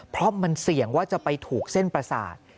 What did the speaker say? เพราะมันเสี่ยงว่าจะไปถูกเส้นประสาท